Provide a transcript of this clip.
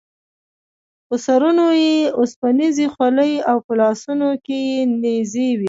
په سرونو یې اوسپنیزې خولۍ او په لاسونو کې یې نیزې وې.